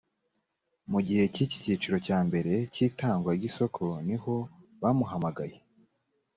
mu gihe cy icyiciro cya mbere cy itangwa ry isoko niho bamuhamagaye